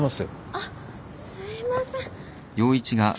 あっすいません。